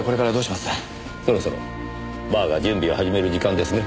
そろそろバーが準備を始める時間ですね。